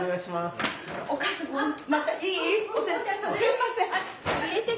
すいません。